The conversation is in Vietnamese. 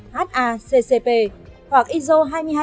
haccp hoặc iso hai mươi hai nghìn